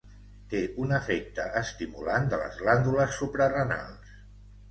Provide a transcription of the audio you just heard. Té un efecte estimulant de les glàndules suprarenals.